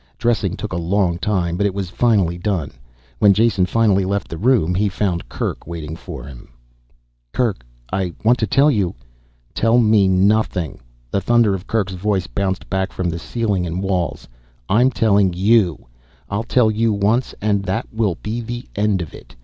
Dressing took a long time, but it was finally done. When Jason finally left the room he found Kerk waiting for him. "Kerk ... I want to tell you ..." "Tell me nothing!" The thunder of Kerk's voice bounced back from the ceiling and walls. "I'm telling you. I'll tell you once and that will be the end of it.